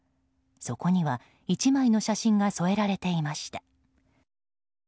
そこには、１枚の写真が添えられていました。